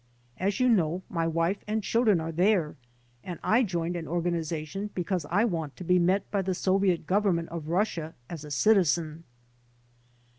As you know my wife and chil dren are there and I joined an organization because I want to be met by the Soviet Government of Russia as a citizen."